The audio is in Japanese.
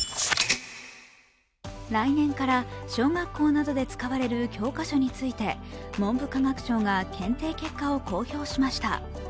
来年から小学校などで使われる教科書について文部科学省が検定結果を公表しました。